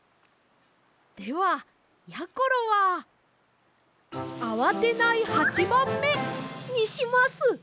ではやころはあわてない八番目！にします！